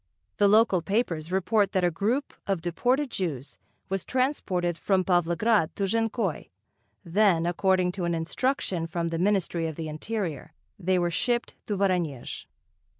The local papers report that a group of deported Jews was transported from Pavlograd to Jankoy, then, according to an instruction from the Ministry of the Interior they were shipped to Voronezh....